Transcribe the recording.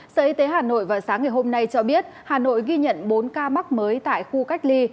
sở y tế hà nội vào sáng ngày hôm nay cho biết hà nội ghi nhận bốn ca mắc mới tại khu cách ly